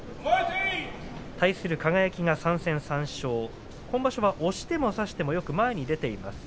対する輝が３戦３勝今場所は押しても差してもよく前に出ています。